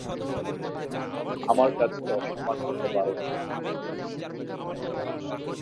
আমার কাজকে অসম্মান করতে বারণ করো।